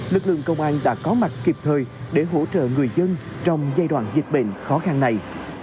lực lượng công an đã có mặt kịp thời để hỗ trợ người dân trong giai đoạn dịch bệnh khó khăn này